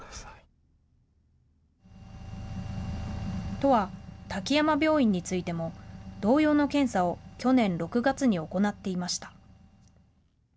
都は滝山病院についても同様の検査を去年６月に行っていました。